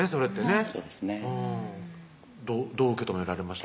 そうですねどう受け止められました？